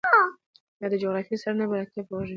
يا د جغرافيې سره نه بلدتيا په وجه وي.